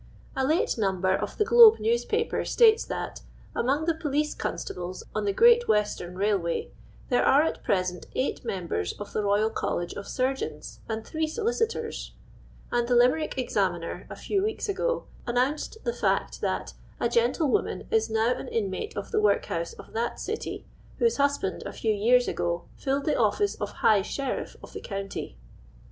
A late number of the Olobe newspaper states that, * among the police constables on the Great Western Kail way, there are at present eight members of the Uoyal College of Surgeons, and three solicitors;' — and the Limerick Examiner, a few weeks ago, announced the fact, that * a gentlewoman is now an inmate of the workhouse of that city, whose husband, a few years ago, filled the office of High Sheriff of the county.